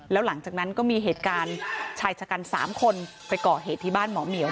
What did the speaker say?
แล้วหลังจากนั้นก็มีเหตุการณ์ชายชะกัน๓คนไปก่อเหตุที่บ้านหมอเหมียว